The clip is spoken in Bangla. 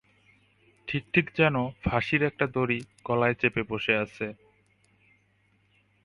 ঠিক, ঠিক যেন ফাঁসির একটা দড়ি, গলায় চেপে বসে আছে।